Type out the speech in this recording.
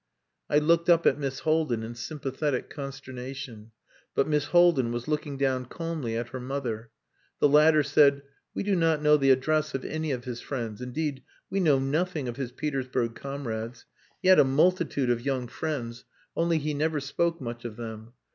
I looked up at Miss Haldin in sympathetic consternation, but Miss Haldin was looking down calmly at her mother. The latter said "We do not know the address of any of his friends. Indeed, we know nothing of his Petersburg comrades. He had a multitude of young friends, only he never spoke much of them.